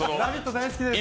大好きです。